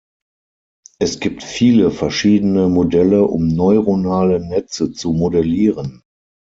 Es gibt viele verschiedene Modelle, um Neuronale Netze zu modellieren.